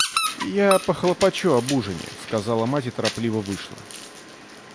— Я похлопочу об ужине, — сказала мать и торопливо вышла.